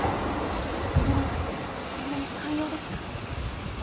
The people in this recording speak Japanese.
世の中ってそんなに寛容ですか？